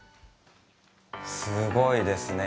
すごいですね。